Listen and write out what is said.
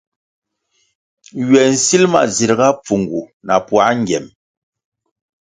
Ywe nsil ma zirga pfungu na puā ngyem.